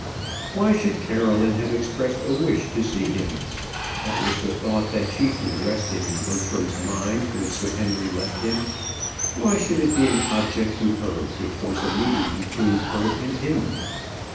Why should Caroline have expressed a wish to see him? That was the thought that chiefly rested in Bertram's mind when Sir Henry left him. Why should it be an object to her to force a meeting between her and him?